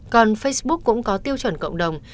còn facebook cũng có tiêu chuẩn cộng đồng